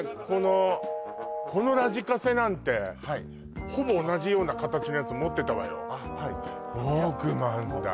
このこのラジカセなんてはいほぼ同じような形のやつ持ってたわよ